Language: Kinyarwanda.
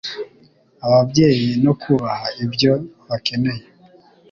ababyeyi no kubaha ibyo bakeneye.